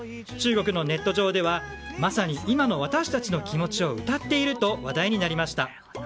中国のネット上ではまさに今の私たちの気持ちを歌っていると、話題になりました。